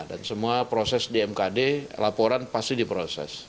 dan semua proses di mkd laporan pasti diproses